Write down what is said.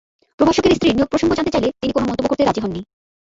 প্রভাষকের স্ত্রীর নিয়োগ প্রসঙ্গে জানতে চাইলে তিনি কোনো মন্তব্য করতে রাজি হননি।